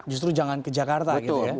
justru jangan ke jakarta gitu ya